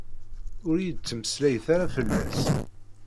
Ur iyi-d-ttmeslayet ara fell-as.